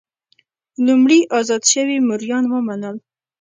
لومړی ازاد شوي مریان ومنل.